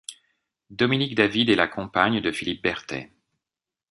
Dominique David est la compagne de Philippe Berthet.